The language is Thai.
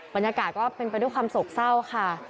บรรยากาศก็เป็นไปด้วยความโศกเศร้าค่ะ